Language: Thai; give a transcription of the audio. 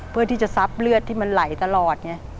เพื่อที่จะซับเลือดที่มันไหลตลอดไง